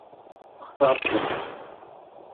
Textaṛeḍ-tent?